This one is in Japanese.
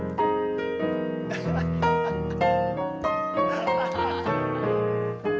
ハハハハハ！